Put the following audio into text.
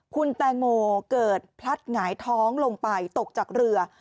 คุณแตงโมเกิดพลัดหงายท้องลงไปตกจากเรือ